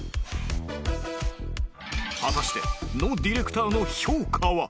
果たしてノディレクターの評価は？